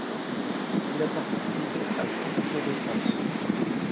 Il a participé à cinq Tours de France.